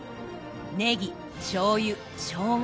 ネギしょうゆしょうが